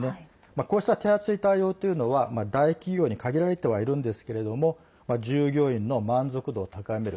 こうした手厚い対応というのは大企業に限られてはいるんですけれども従業員の満足度を高める。